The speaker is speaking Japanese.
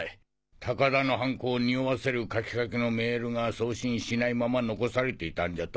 高田の犯行をにおわせる書きかけのメールが送信しないまま残されていたんじゃと。